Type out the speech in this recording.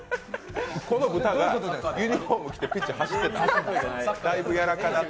この豚がユニフォーム着てピッチ走ってた？